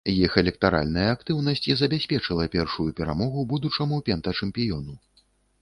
Іх электаральная актыўнасць і забяспечыла першую перамогу будучаму пентачэмпіёну.